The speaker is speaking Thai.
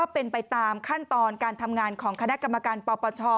เป็นไปตามขั้นตอนการทำงานของคณะกรรมการปปช